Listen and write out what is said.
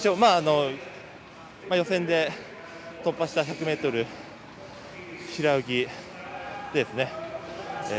予選で突破した１００ｍ平泳ぎでですね